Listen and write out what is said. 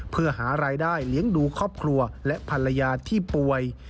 เพื่อหารายได้เลี้ยงดูครอบครัวและภรรยาที่ป่วย